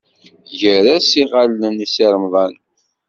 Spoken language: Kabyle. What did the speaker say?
Ger-as iɣallen i Si Remḍan.